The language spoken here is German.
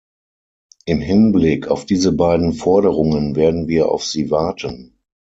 Im Hinblick auf diese beiden Forderungen werden wir auf sie warten.